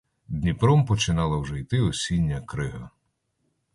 Дніпром починала вже йти осіння крига.